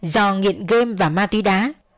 do nghiện game và ma túy đá